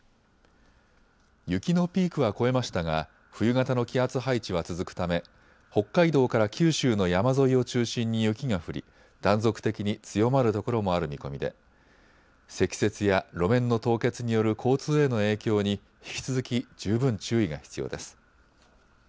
雪のピークは越えましたが冬型の気圧配置は続くため北海道から九州の山沿いを中心に雪が降り断続的に強まるところもある見込みで積雪や路面の凍結による交通への影響に引き続き十分注意が必要です。